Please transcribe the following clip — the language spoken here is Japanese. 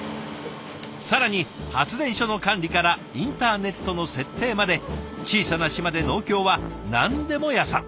更に発電所の管理からインターネットの設定まで小さな島で農協はなんでも屋さん。